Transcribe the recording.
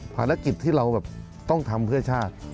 ภารกิจที่เราแบบต้องทำเพื่อชาติ